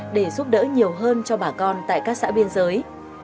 để giúp đỡ nhiều hơn cho bà con tại các xã biên giới